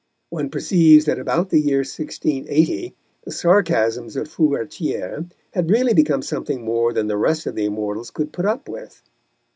One perceives that about the year 1680 the sarcasms of Furetière had really become something more than the rest of the Immortals could put up with.